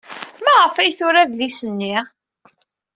Maɣef ay d-tura adlis-nni?